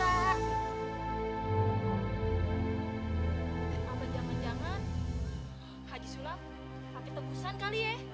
apa jangan jangan haji sula pakai tegusan kali ya